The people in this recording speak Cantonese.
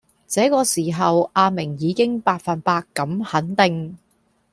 這個時候阿明已經百份百咁肯定